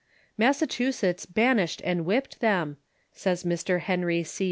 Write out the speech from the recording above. "Massachusetts banished and whipped them," says Mr. Henry C.